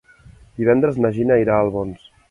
Divendres na Gina irà a Albons.